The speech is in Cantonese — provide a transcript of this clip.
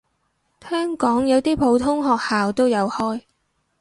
聽講有啲普通學校都有開